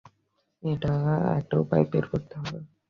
একটা উপায় বের করতে হবে।